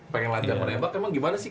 pengen latihan menembak emang gimana sih